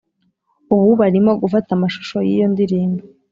ubu barimo gufata amashusho y’iyo ndirimbo